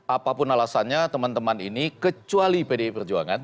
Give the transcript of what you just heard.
apapun alasannya teman teman ini kecuali pdi perjuangan